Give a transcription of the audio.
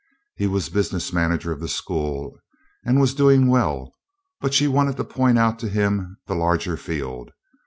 He was business manager of the school and was doing well, but she wanted to point out to him the larger field.